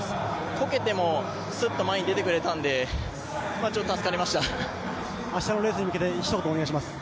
こけてもすっと前に出てくれたので明日のレースに向けてひと言お願いします。